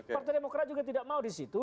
partai demokrat juga tidak mau disitu